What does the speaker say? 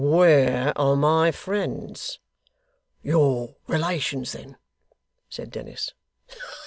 'Where are my friends?' 'Your relations then,' said Dennis.